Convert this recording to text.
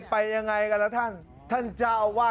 นี่ไงคนเถ่านั้นก็